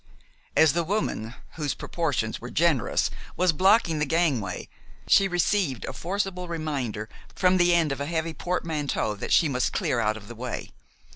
As the woman, whose proportions were generous, was blocking the gangway, she received a forcible reminder from the end of a heavy portmanteau that she must clear out of the way.